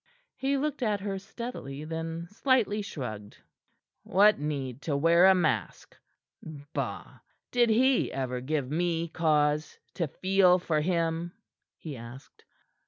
He looked at her steadily, then slightly shrugged. "What need to wear a mask? Bah! Did he ever give me cause to feel for him?" he asked.